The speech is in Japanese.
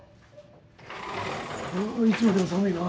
あいつまでも寒いな。